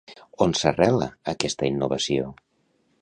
On s'arrela aquesta innovació?